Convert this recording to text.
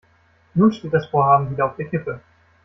Nun steht das Vorhaben wieder auf der Kippe.